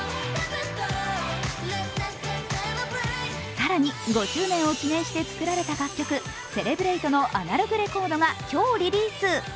更に、５周年を記念して作られた楽曲「Ｃｅｌｅｂｒａｔｅ」のアナログレコードが今日リリース。